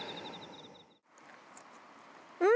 うん！